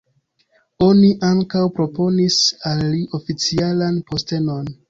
Oni ankaŭ proponis al li oficialan postenon.